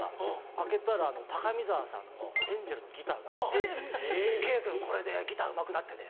開けたら高見沢さんのエンジェルのギターが入ってて「兄君これでギターうまくなってね」